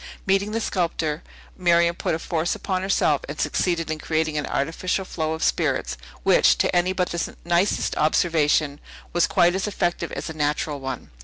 Meeting the sculptor, Miriam put a force upon herself and succeeded in creating an artificial flow of spirits, which, to any but the nicest observation, was quite as effective as a natural one.